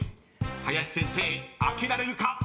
［林先生開けられるか⁉］